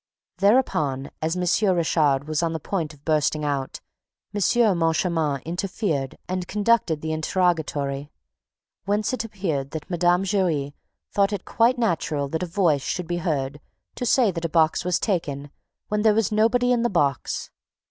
Thereupon, as M. Richard was on the point of bursting out, M. Moncharmin interfered and conducted the interrogatory, whence it appeared that Mme. Giry thought it quite natural that a voice should be heard to say that a box was taken, when there was nobody in the box.